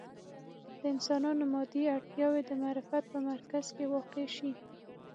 د انسانانو مادي اړتیاوې د معرفت په مرکز کې واقع شي.